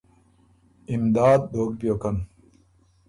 امداد دوک بیوکن